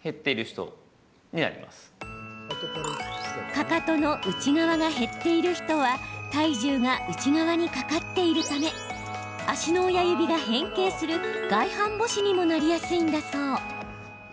かかとの内側が減っている人は体重が内側にかかっているため足の親指が変形する外反ぼしにもなりやすいんだそう。